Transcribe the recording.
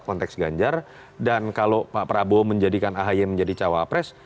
konteks ganjar dan kalau pak prabowo menjadikan ahy menjadi cawapres